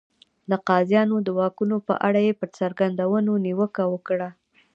د قاضیانو د واکونو په اړه یې پر څرګندونو نیوکه وکړه.